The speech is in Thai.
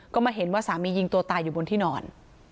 ก็มาเห็นว่าสามียิงตัวตายอยู่บนที่นอน